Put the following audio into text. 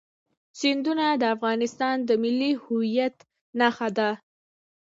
سیندونه د افغانستان د ملي هویت نښه ده.